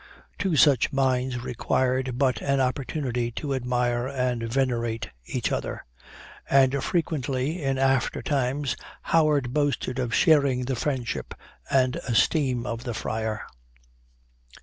Two such minds required but an opportunity to admire and venerate each other; and frequently, in after times, Howard boasted of sharing the friendship and esteem of the friar."